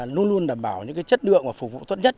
luôn luôn đảm bảo những chất lượng và phục vụ tốt nhất